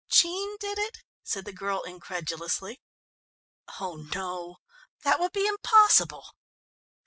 "Jean did it?" said the girl incredulously. "Oh no, that would be impossible."